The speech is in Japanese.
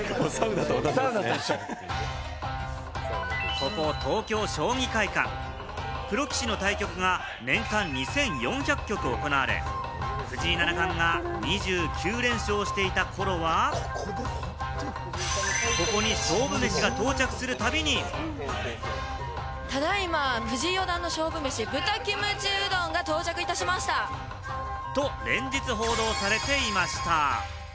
ここ東京・将棋会館、プロ棋士の対局が年間２４００局行われ、藤井七冠が２９連勝していた頃は、ここに勝負メシが到着するたびに。と、連日報道されていました。